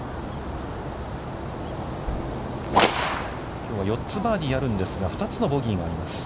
きょうは４つバーディーがあるんですが、２つのボギーがあります。